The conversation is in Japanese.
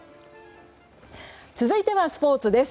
続いてはスポーツです。